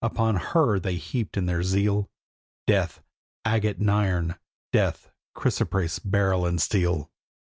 upon her they heaped in their zeal Death: agate and iron; death: chrysoprase, beryl and steel.